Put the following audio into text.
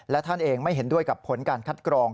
และท่านเองไม่เห็นด้วยกับผลการคัดกรอง